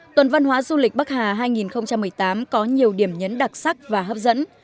tuần văn hóa du lịch bắc hà hai nghìn một mươi tám có nhiều điểm nhấn đặc sắc và hấp dẫn